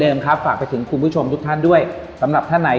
ครับฝากไปถึงคุณผู้ชมทุกท่านด้วยสำหรับท่านไหน